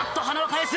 返す。